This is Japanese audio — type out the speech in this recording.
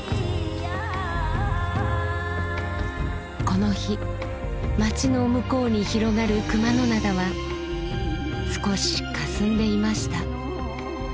この日町の向こうに広がる熊野灘は少しかすんでいました。